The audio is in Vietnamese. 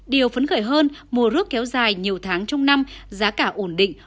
điều phấn khởi hơn mùa rút kéo dài nhiều tháng trong năm giá cả ổn định